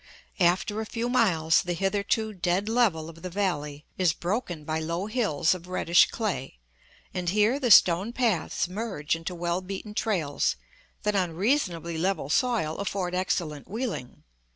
After a few miles the hitherto dead level of the valley is broken by low hills of reddish clay, and here the stone paths merge into well beaten trails that on reasonably level soil afford excellent wheeling.